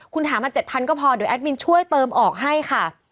คุณหามา๗๐๐ก็พอเดี๋ยวแอดมินช่วยเติมออกให้ค่ะ